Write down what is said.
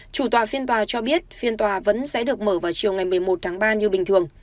chủ tòa phiên tòa cho biết phiên tòa vẫn sẽ được mở vào chiều một mươi một ba như bình thường